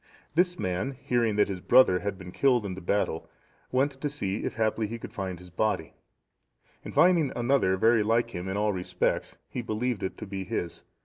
(679) This man, hearing that his brother had been killed in the battle, went to see if haply he could find his body; and finding another very like him in all respects, he believed it to be his.